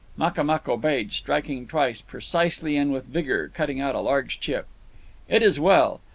Makamuk obeyed, striking twice, precisely and with vigour, cutting out a large chip. "It is well."